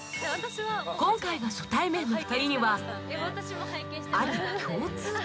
今回の初対面の２人にはある共通点が